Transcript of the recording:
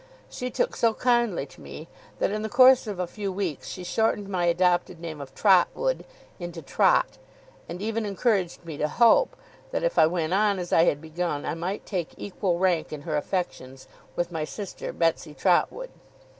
She took so kindly to me, that, in the course of a few weeks, she shortened my adopted name of Trotwood into Trot; and even encouraged me to hope, that if I went on as I had begun, I might take equal rank in her affections with my sister Betsey Trotwood.